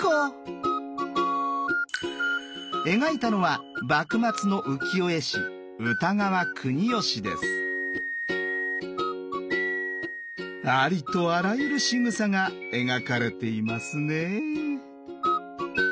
描いたのはありとあらゆるしぐさが描かれていますね。